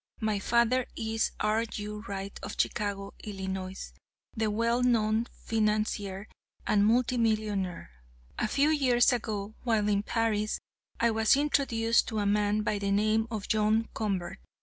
My father is R. U. Wright, of Chicago, Ill., the well known financier and multi millionaire. A few years ago, while in Paris, I was introduced to a man by the name of John Convert.